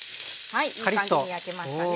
はいいい感じに焼けましたね。